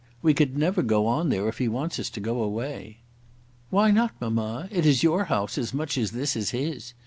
We could never go on there if he wants us to go away." "Why not, mamma? It is your house as much as this is his.